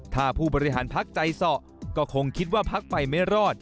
ถ้าผู้บริหารพักใจสอก็คงคิดว่าพักไปไม่รอด